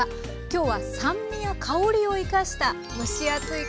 今日は酸味や香りを生かした蒸し暑い